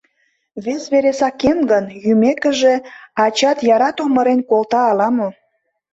— Вес вере сакем гын, йӱмекыже, ачат яра томырен колта ала-мо.